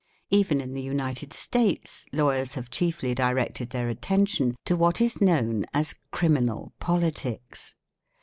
Even in the United States, lawyers have chiefly 'directed their attention to what is known as Criminal Politics.